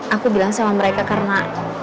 aku bilang sama mereka karena